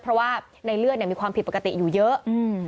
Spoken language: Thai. เพราะว่าในเลือดมีความผิดปกติอยู่เยอะ